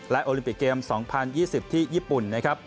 และโอลิมปิกเกมส์๒๐๒๐ที่ญี่ปุ่น